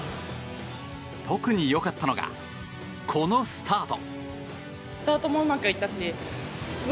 特に良かったのがこのスタート。